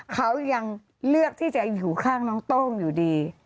เขายังเลือกที่จะอยู่ข้างน้องโต้งอยู่ดี